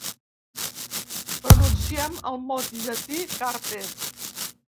Pronunciem el mot llatí carpe.